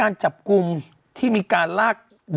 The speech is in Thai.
อุ้ยจังหวัด